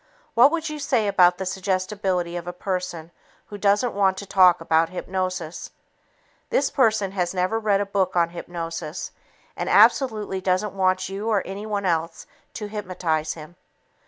What would you say about the suggestibility of a person who doesn't want to talk about hypnosis? This person has never read a book on hypnosis and absolutely doesn't want you or anyone else to hypnotize him.